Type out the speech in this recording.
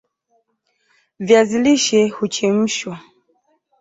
viazi lishe huchemshwa